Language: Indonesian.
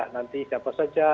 nanti siapa saja